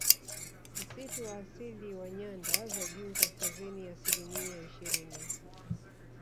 Msitu wa asili wa nyanda za juu kaskazini asilimia ishirini